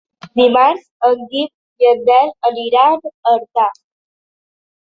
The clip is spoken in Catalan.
Dimarts en Guim i en Nel aniran a Artà.